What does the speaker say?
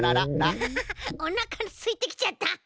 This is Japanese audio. アハハハおなかすいてきちゃった。